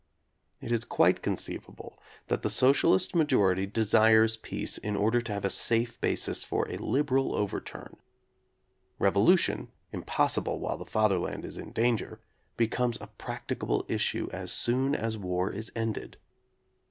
It is quite con ceivable that the socialist majority desires peace in order to have a safe basis for a liberal over turn. Revolution, impossible while the Father land is in danger, becomes a practicable issue as soon as war is ended.